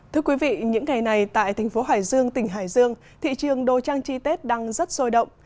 thưa quý vị những ngày này tại thành phố hải dương tỉnh hải dương thị trường đồ trang trí tết đang rất sôi động